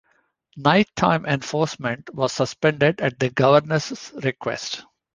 Nighttime enforcement was suspended at the governor's request.